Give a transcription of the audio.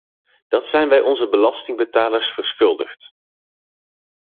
Dat zijn wij onze belastingbetalers verschuldigd.